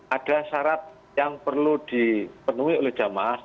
ada syarat yang perlu dipenuhi oleh jamaah